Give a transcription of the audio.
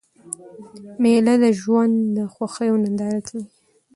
مېله د ژوند د خوښیو ننداره ده.